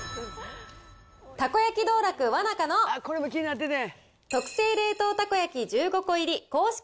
たこ焼道楽わなかの特製冷凍たこ焼１５個入り公式